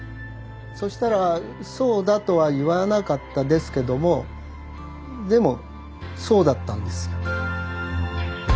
そしたらそうだとは言わなかったですけどもでもそうだったんですよ。